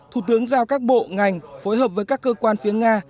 thủ tướng giao các bộ ngành phối hợp với các cơ quan phía nga